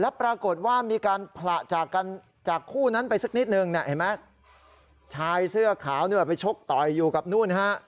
แล้วปรากฏว่ามีการผละจากกันจากคู่นั้นไปสักนิดนึงเนี่ยเห็นไหมชายเสื้อขาวเนี่ยไปชกต่อยอยู่กับนู่นฮะ